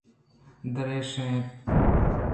دلریش اَنت